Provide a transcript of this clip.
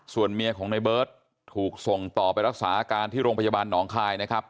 ส่วนเมียของในเบิร์ตถูกส่งต่อไปรักษาอาการที่โรงพยาบาลหนองคายนะครับ